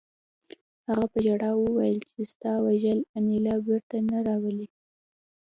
هغه په ژړا وویل چې ستا وژل انیلا بېرته نه راولي